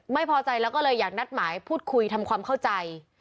ไม่พอใจแล้วก็เลยอยากนัดหมายพูดคุยทำความเข้าใจ